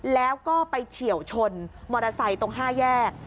แล้วก็ไปเฉียวชนมอเตอร์ไซค์ตรง๕แยก